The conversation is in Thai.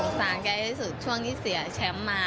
สารแกที่สุดช่วงที่เสียแชมป์มา